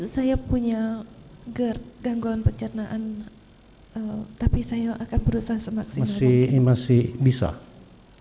saya punya gangguan pencernaan tapi saya akan berusaha semaksimal mungkin